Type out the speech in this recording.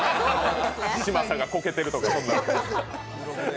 嶋佐がこけてるとかそんなん。